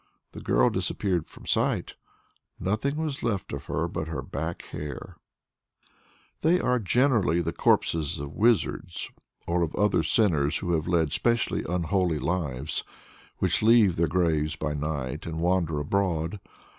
The girl disappeared from sight; nothing was left of her but her back hair. They are generally the corpses of wizards, or of other sinners who have led specially unholy lives, which leave their graves by night and wander abroad.